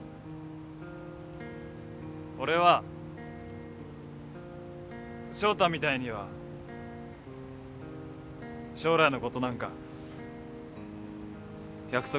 俺は翔太みたいには将来のことなんか約束できない。